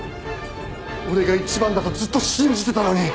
俺が一番だとずっと信じてたのに！